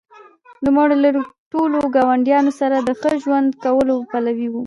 نوموړي له ټولو ګاونډیانو سره د ښه ژوند کولو پلوی و.